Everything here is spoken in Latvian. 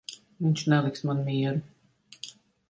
Viņš neliks man mieru.